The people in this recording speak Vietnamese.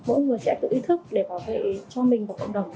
mỗi người sẽ tự ý thức để bảo vệ cho mình và cộng đồng